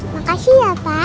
makasih ya pak